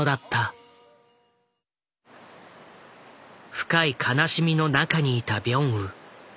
深い悲しみの中にいたビョンウ。